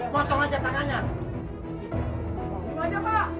potong aja tangannya pak